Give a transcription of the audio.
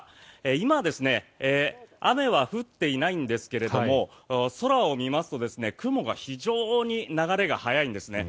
今、雨は降っていないんですが空を見ますと雲が非常に流れが速いんですね。